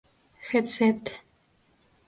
Get Set!